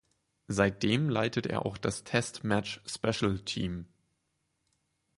Seitdem leitet er auch das Test Match Special Team.